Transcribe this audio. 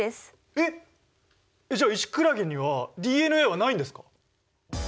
えっ？じゃあイシクラゲにはＤＮＡはないんですか！？